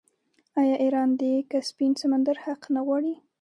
آیا ایران د کسپین سمندر حق نه غواړي؟